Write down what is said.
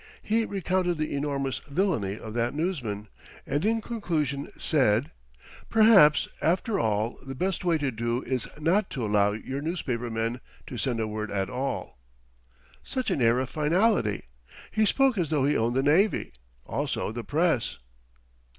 He recounted the enormous villainy of that newsman, and in conclusion said: "Perhaps, after all, the best way to do is not to allow you newspaper men to send a word at all!" Such an air of finality! He spoke as though he owned the navy; also the press.